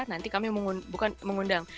nanti kami mengundang